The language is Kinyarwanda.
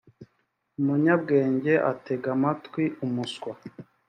umunyabwenge atega amatwi umuswa